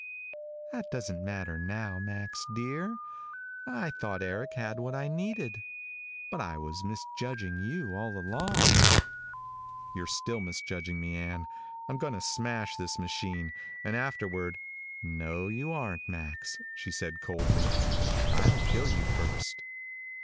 "That doesn't matter now, Max, dear. I thought Eric had what I needed. But I was misjudging you all along." "You're still misjudging me, Ann. I'm going to smash this machine and afterward " "No you aren't, Max," she said coldly. "I'll kill you first."